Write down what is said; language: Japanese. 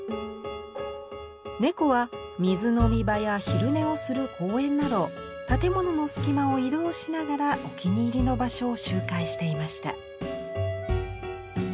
猫は水飲み場や昼寝をする公園など建物の隙間を移動しながらお気に入りの場所を周回していました。